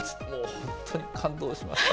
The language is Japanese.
本当に感動しました。